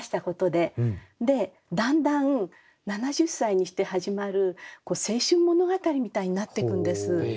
でだんだん７０歳にして始まる青春物語みたいになっていくんです。